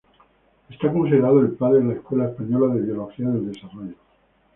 Es considerado el "Padre de la escuela española de Biología del desarrollo".